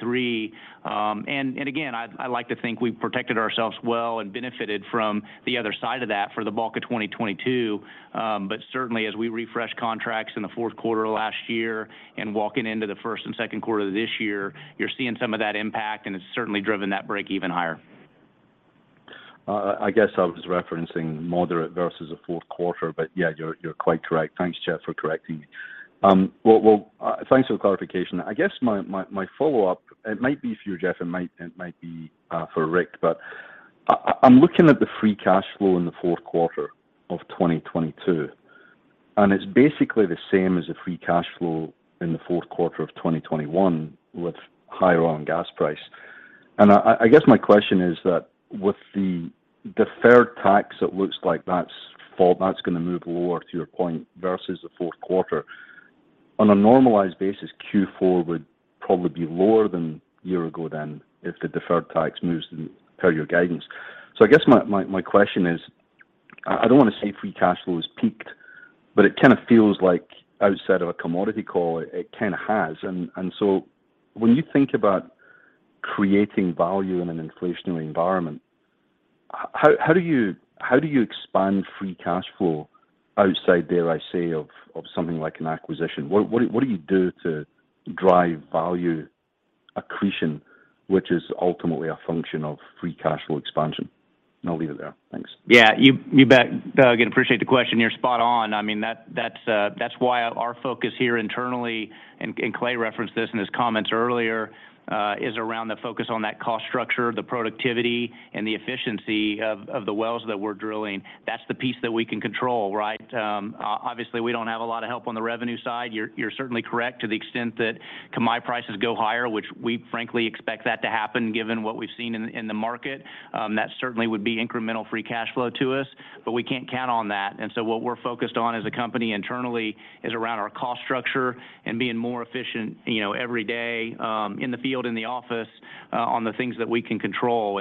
Again, I like to think we've protected ourselves well and benefited from the other side of that for the bulk of 2022. Certainly as we refresh contracts in the Q4 of last year and walking into the Q1 and Q2 of this year, you're seeing some of that impact, and it's certainly driven that breakeven higher.
I guess I was referencing moderate versus the Q4, but yeah, you're quite correct. Thanks, Jeff, for correcting me. Well, thanks for the clarification. I guess my follow-up, it might be for you, Jeff, it might be for Rick. I'm looking at the free cash flow in the Q4 of 2022, and it's basically the same as the free cash flow in the Q4 of 2021 with higher oil and gas price. I guess my question is that with the deferred tax, it looks like that's gonna move lower to your point versus the Q4. On a normalized basis, Q4 would probably be lower than year ago then if the deferred tax moves per your guidance. I guess my question is. I don't want to say free cash flow has peaked, but it kind of feels like outside of a commodity call, it kind of has. When you think about creating value in an inflationary environment, how do you expand free cash flow outside there, I say, of something like an acquisition? What do you do to drive value accretion, which is ultimately a function of free cash flow expansion? I'll leave it there. Thanks.
Yeah. You bet, Doug. Appreciate the question. You're spot on. I mean, that's why our focus here internally, and Clay referenced this in his comments earlier, is around the focus on that cost structure, the productivity, and the efficiency of the wells that we're drilling. That's the piece that we can control, right? Obviously, we don't have a lot of help on the revenue side. You're certainly correct to the extent that can my prices go higher, which we frankly expect that to happen given what we've seen in the market. That certainly would be incremental free cash flow to us, but we can't count on that. What we're focused on as a company internally is around our cost structure and being more efficient, you know, every day, in the field, in the office, on the things that we can control.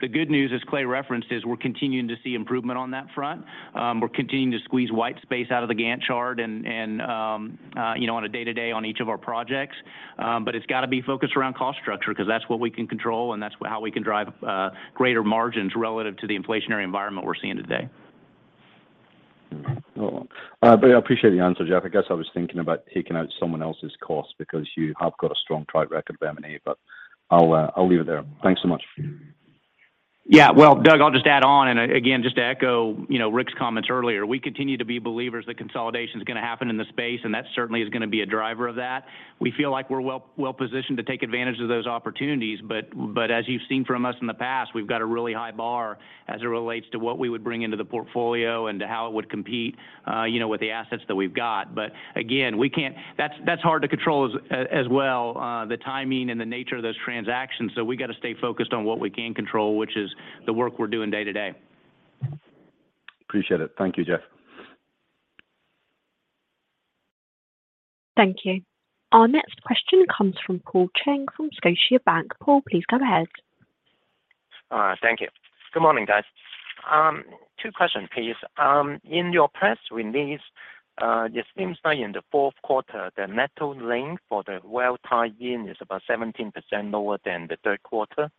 The good news, as Clay referenced, is we're continuing to see improvement on that front. We're continuing to squeeze white space out of the Gantt chart, you know, on a day-to-day on each of our projects. It's got to be focused around cost structure because that's what we can control, and that's how we can drive greater margins relative to the inflationary environment we're seeing today.
I appreciate the answer, Jeff. I guess I was thinking about taking out someone else's cost because you have got a strong track record of M&A, but I'll leave it there. Thanks so much.
Well, Doug, I'll just add on, and again, just to echo, you know, Rick's comments earlier. We continue to be believers that consolidation is going to happen in the space, and that certainly is going to be a driver of that. We feel like we're well-positioned to take advantage of those opportunities. As you've seen from us in the past, we've got a really high bar as it relates to what we would bring into the portfolio and to how it would compete, you know, with the assets that we've got. Again, that's hard to control as well, the timing and the nature of those transactions. We got to stay focused on what we can control, which is the work we're doing day to day.
Appreciate it. Thank you, Jeff.
Thank you. Our next question comes from Paul Cheng from Scotiabank. Paul, please go ahead.
Thank you. Good morning, guys. Two questions, please. In your press release, it seems like in the Q4, the metal length for the well tie-in is about 17% lower than the Q3.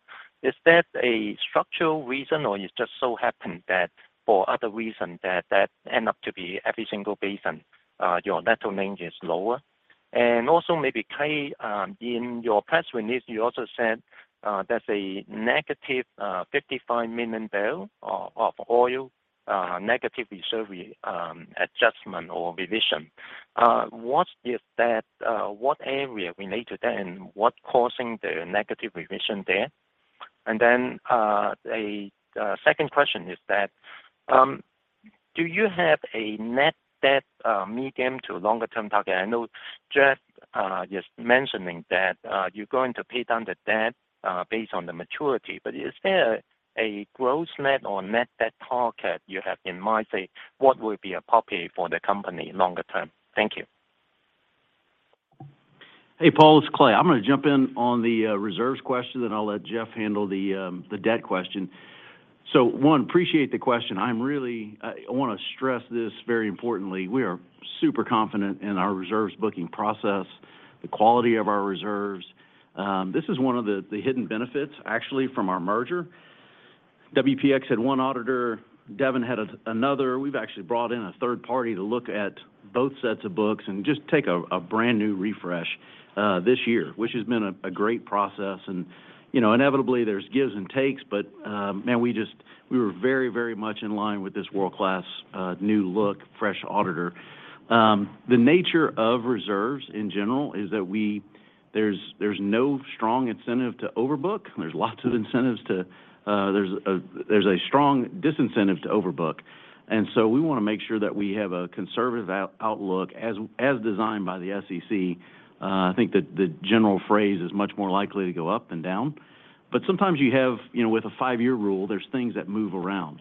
Is that a structural reason, or it just so happened that for other reason that end up to be every single basin, your metal length is lower? Also maybe, Clay, in your press release, you also said, that's a negative 55 million barrel of oil, negative reserve adjustment or revision. What is that? What area related then? What causing the negative revision there? A second question is that, do you have a net debt, medium to longer term target? I know Jeff, just mentioning that, you're going to pay down the debt, based on the maturity. Is there a gross net or net debt target you have in mind? Say, what would be appropriate for the company longer term? Thank you.
Hey, Paul, it's Clay. I'm gonna jump in on the reserves question. I'll let Jeff handle the debt question. One, appreciate the question. I wanna stress this very importantly. We are super confident in our reserves booking process, the quality of our reserves. This is one of the hidden benefits actually from our merger. WPX had one auditor, Devon had another. We've actually brought in a third party to look at both sets of books and just take a brand-new refresh this year, which has been a great process. You know, inevitably there's gives and takes, but man, we were very, very much in line with this world-class new look, fresh auditor. The nature of reserves in general is that there's no strong incentive to overbook. There's lots of incentives to. There's a strong disincentive to overbook. We wanna make sure that we have a conservative outlook as designed by the SEC. I think that the general phrase is much more likely to go up than down. Sometimes you have, you know, with a five-year rule, there's things that move around.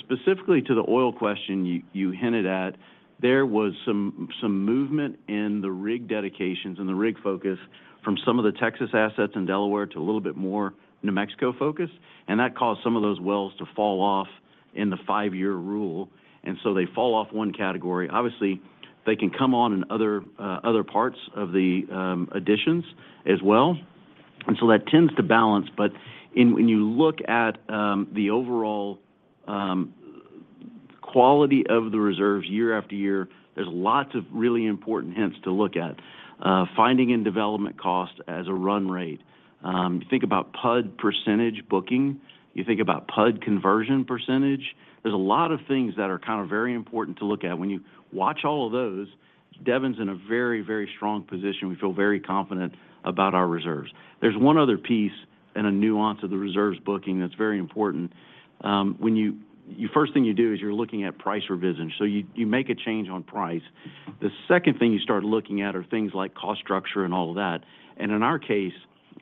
Specifically to the oil question you hinted at, there was some movement in the rig dedications and the rig focus from some of the Texas assets in Delaware to a little bit more New Mexico focus. That caused some of those wells to fall off in the five-year rule. They fall off 1 category. Obviously, they can come on in other parts of the additions as well. That tends to balance. In when you look at, the overall, quality of the reserves year after year, there's lots of really important hints to look at. Finding and development cost as a run rate. You think about PUD percentage booking, you think about PUD conversion percentage. There's a lot of things that are kind of very important to look at. When you watch all of those, Devon's in a very, very strong position. We feel very confident about our reserves. There's one other piece and a nuance of the reserves booking that's very important. When you first thing you do is you're looking at price revision. You make a change on price. The second thing you start looking at are things like cost structure and all of that. In our case,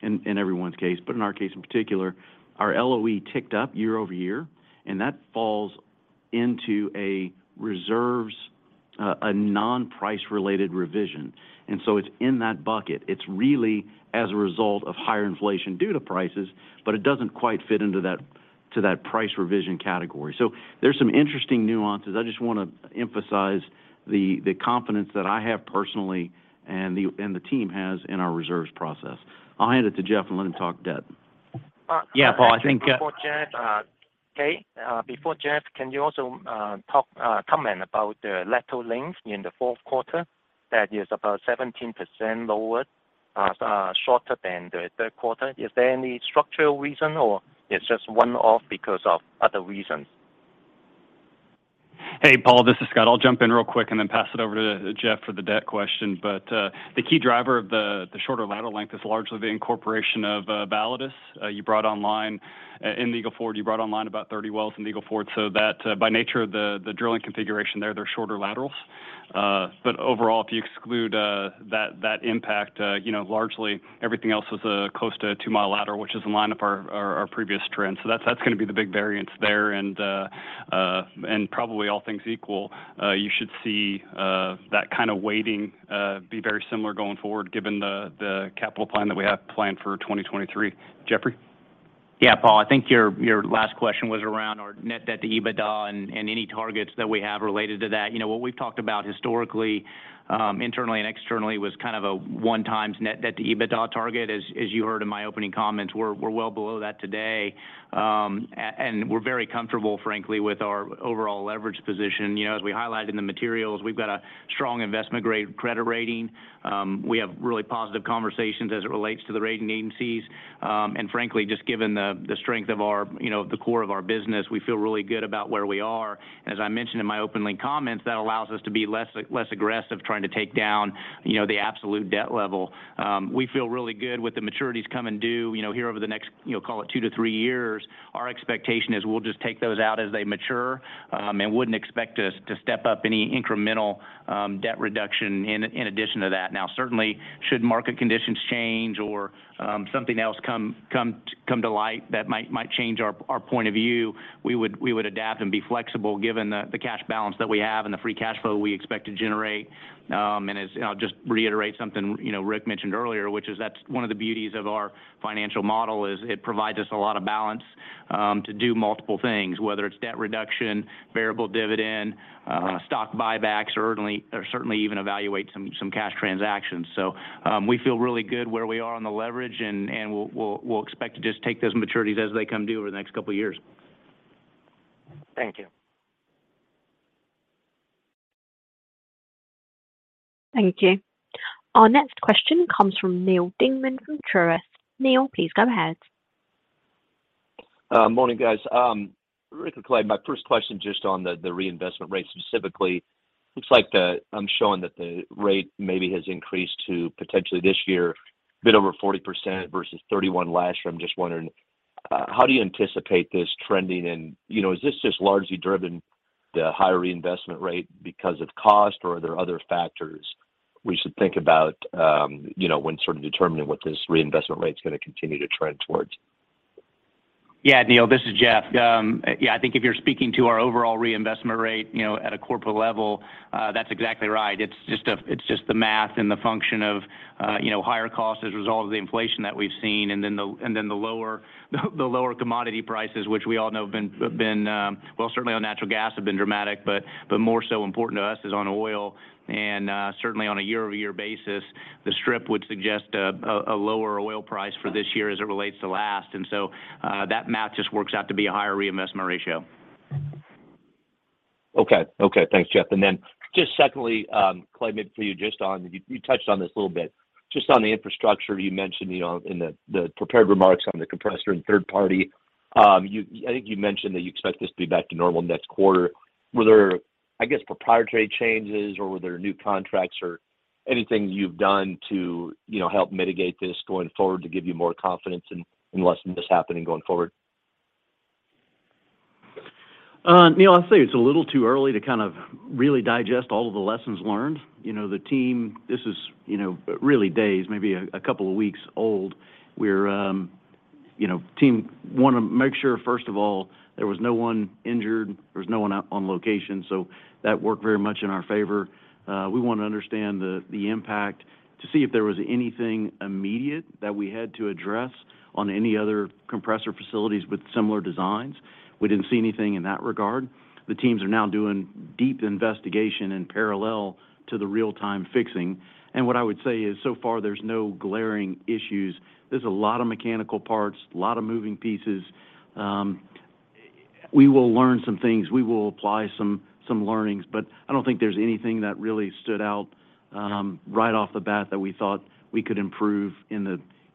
and everyone's case, but in our case in particular, our LOE ticked up year-over-year, and that falls into a reserves, a non-price related revision. It's in that bucket. It's really as a result of higher inflation due to prices, but it doesn't quite fit into that price revision category. There's some interesting nuances. I just wanna emphasize the confidence that I have personally and the team has in our reserves process. I'll hand it to Jeff and let him talk debt.
Uh- Yeah, I think.
Okay, before Jeff, can you also talk, comment about the lateral length in the Q4 that is about 17% lower, shorter than the Q3. Is there any structural reason or it's just one-off because of other reasons?
Hey, Paul, this is Scott. I'll jump in real quick and then pass it over to Jeff for the debt question. The key driver of the shorter lateral length is largely the incorporation of Validus. You brought online in Eagle Ford, you brought online about 30 wells in Eagle Ford, so that by nature of the drilling configuration there, they're shorter laterals. Overall, if you exclude that impact, you know, largely everything else is close to a two-mile lateral, which is in line of our previous trends. That's gonna be the big variance there. Probably all things equal, you should see that kind of weighting be very similar going forward given the capital plan that we have planned for 2023. Jeff?
Yeah. Paul, I think your last question was around our net debt to EBITDA and any targets that we have related to that. You know, what we've talked about historically, internally and externally was kind of a 1x net debt to EBITDA target. As you heard in my opening comments, we're well below that today. We're very comfortable, frankly, with our overall leverage position. You know, as we highlighted in the materials, we've got a strong investment grade credit rating. We have really positive conversations as it relates to the rating agencies. Frankly, just given the strength of our, you know, the core of our business, we feel really good about where we are. As I mentioned in my opening comments, that allows us to be less aggressive trying to take down, you know, the absolute debt level. We feel really good with the maturities coming due, you know, here over the next, you know, call it two to three years investment-gr years. Our expectation is we'll just take those out as they mature, and wouldn't expect us to step up any incremental debt reduction in addition to that. Now, certainly, should market conditions change or, something else come to light that might change our point of view, we would adapt and be flexible given the cash balance that we have and the free cash flow we expect to generate. As. I'll just reiterate something, you know, Rick mentioned earlier, which is that's one of the beauties of our financial model is it provides us a lot of balance to do multiple things, whether it's debt reduction, variable dividend, stock buybacks, or certainly even evaluate some cash transactions. We feel really good where we are on the leverage and we'll expect to just take those maturities as they come due over the next couple of years.
Thank you.
Thank you. Our next question comes from Neal Dingmann from Truist. Neal, please go ahead.
Morning, guys. Rick and Clay, my first question just on the reinvestment rate specifically. I'm showing that the rate maybe has increased to potentially this year a bit over 40% versus 31 last year. I'm just wondering how do you anticipate this trending? You know, is this just largely driven the higher reinvestment rate because of cost, or are there other factors we should think about, you know, when sort of determining what this reinvestment rate is gonna continue to trend towards?
Yeah. Neal, this is Jeff. Yeah, I think if you're speaking to our overall reinvestment rate, you know, at a corporate level, that's exactly right. It's just the math and the function of, you know, higher costs as a result of the inflation that we've seen and then the lower commodity prices, which we all know have been, well, certainly on natural gas have been dramatic, but more so important to us is on oil and, certainly on a year-over-year basis, the strip would suggest a lower oil price for this year as it relates to last. That math just works out to be a higher reinvestment ratio.
Okay. Okay. Thanks, Jeff. Just secondly, Clay, maybe for you just on, you touched on this a little bit. Just on the infrastructure, you mentioned, you know, in the prepared remarks on the compressor and third party, I think you mentioned that you expect this to be back to normal next quarter. Were there, I guess, proprietary changes or were there new contracts or anything you've done to, you know, help mitigate this going forward to give you more confidence in less of this happening going forward?
Neal, I'll say it's a little too early to kind of really digest all of the lessons learned. You know, the team, this is, you know, really days, maybe a couple of weeks old. We're, you know, team wanna make sure, first of all, there was no one injured, there was no one out on location, so that worked very much in our favor. We wanna understand the impact to see if there was anything immediate that we had to address on any other compressor facilities with similar designs. We didn't see anything in that regard. The teams are now doing deep investigation in parallel to the real-time fixing. What I would say is so far there's no glaring issues. There's a lot of mechanical parts, a lot of moving pieces. We will learn some things. We will apply some learnings. I don't think there's anything that really stood out, right off the bat that we thought we could improve in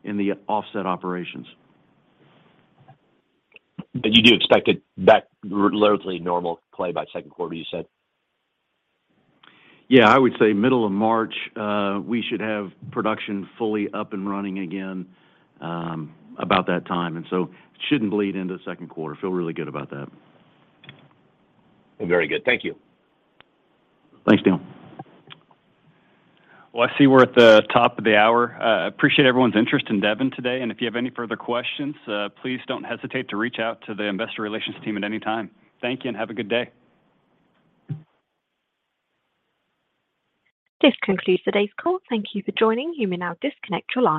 the offset operations.
You do expect it back relatively normal, Clay, by Q2, you said?
Yeah. I would say middle of March, we should have production fully up and running again, about that time. Shouldn't bleed into the Q2. Feel really good about that.
Very good. Thank you.
Thanks, Neil.
Well, I see we're at the top of the hour. Appreciate everyone's interest in Devon today. If you have any further questions, please don't hesitate to reach out to the investor relations team at any time. Thank you. Have a good day.
This concludes today's call. Thank you for joining. You may now disconnect your line.